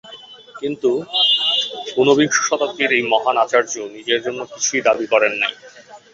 কিন্তু ঊনবিংশ শতাব্দীর এই মহান আচার্য নিজের জন্য কিছুই দাবী করেন নাই।